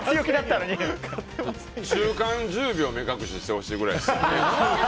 中間１０秒目隠ししてほしいくらいですね。